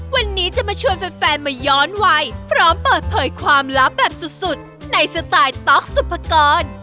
วันนี้จะมาชวนแฟนมาย้อนวัยพร้อมเปิดเผยความลับแบบสุดในสไตล์ต๊อกสุภกร